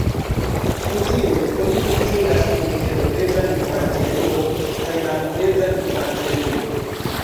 Kutime oni distingas inter peza infanterio kaj malpeza infanterio.